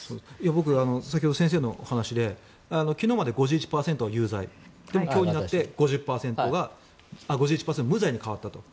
僕、先ほど先生のお話で昨日まで５１％有罪でも今日になって５１％が無罪に変わったと。